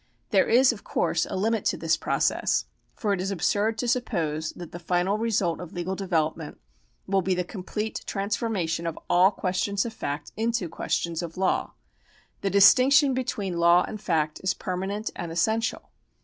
There is of course a limit to this process, for it is absiu d to suppose that the final result of legal development will be the complete transformation of all questions of fact into questions of law. The distinction between law and fact is permanent and essential.